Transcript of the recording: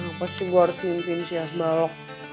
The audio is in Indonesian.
kenapa sih gue harus mimpiin si hasbalok